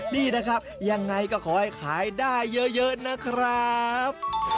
นี่นะครับยังไงก็ขอให้ขายได้เยอะนะครับ